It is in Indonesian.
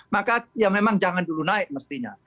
maka ya memang jangan dulu naik mestinya